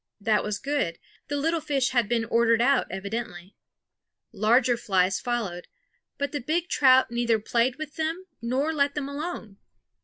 That was good; the little fish had been ordered out, evidently. Larger flies followed; but the big trout neither played with them nor let them alone.